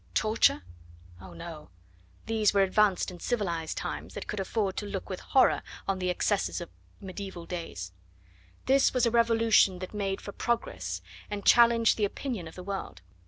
Torture? Oh, no! these were advanced and civilised times that could afford to look with horror on the excesses of medieval days. This was a revolution that made for progress, and challenged the opinion of the world.